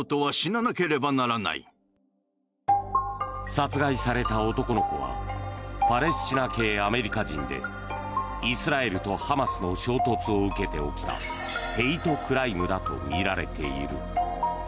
殺害された男の子はパレスチナ系アメリカ人でイスラエルとハマスの衝突を受けて起きたヘイトクライムだとみられている。